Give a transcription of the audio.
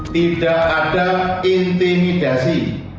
tidak ada intimidasi